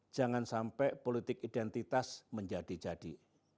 jangan sampai politik identitas menjadi jadi